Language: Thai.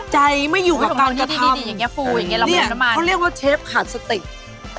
ใจไม่อยู่กับการจะทำเนี่ยเขาเรียกว่าเชฟขาดสติก